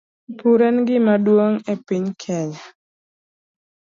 Pur en e gima duong' e piny Kenya,